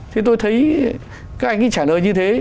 thì tôi thấy các anh ấy trả lời như thế